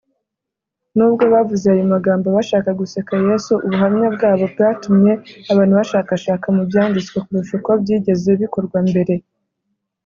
nubwo bavuze ayo magambo bashaka guseka yesu, ubuhamya bwabo bwatumye abantu bashakashaka mu byanditswe kurusha uko byigeze bikorwa mbere